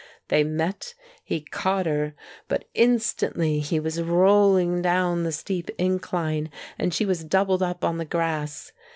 They met; he caught her; but instantly he was rolling down the steep incline and she was doubled up on the grass.